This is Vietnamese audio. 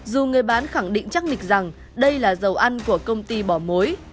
dù người bán khẳng định chắc lịch rằng đây là dầu ăn của công ty bỏ mối